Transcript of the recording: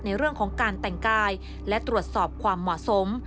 ในเรื่องของการแต่งกายและตรวจสอบความเหมาะสม